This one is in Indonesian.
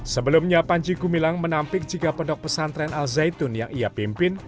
sebelumnya panji gumilang menampik jika pendok pesantren al zaitun yang ia pimpin